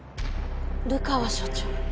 流川所長。